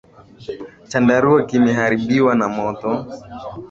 Chandarua kimeharibiwa na moto.